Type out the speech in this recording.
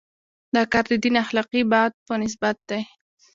دا کار د دین اخلاقي بعد په نسبت دی.